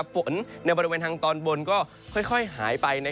ฝนในบริเวณทางตอนบนก็ค่อยหายไป